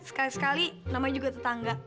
sekali sekali namanya juga tetangga